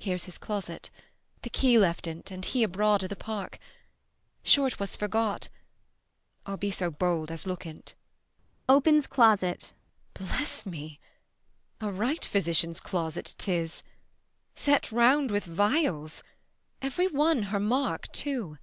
Here's his closet, The key left in't, and he abroad i' th' park : Sure 'twas forgot ; I'll be so bold as look in't. [Opens closet.] Bless me ! A right physician's closet 'tis, 20 Set round with vials, every one her mark too.